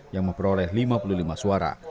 yang memperoleh lima puluh lima suara